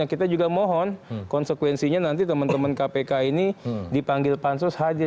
kita juga mohon konsekuensinya nanti teman teman kpk ini dipanggil pansus hadir